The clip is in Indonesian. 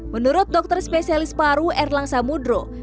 menurut dokter spesialis paru erlang samudro